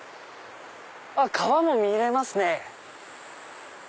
川も見れますね。